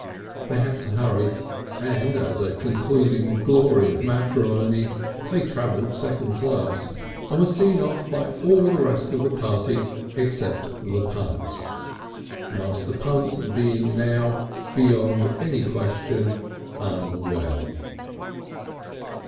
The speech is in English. They had to hurry, and as a concluding glory of matrimony they travelled second class, and were seen off by all the rest of the party except the Punts, Master Punt being now beyond any question unwell.